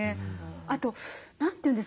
あと何て言うんですかね